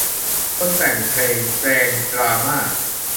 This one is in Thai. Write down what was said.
คนแต่งเพลงแจงดราม่า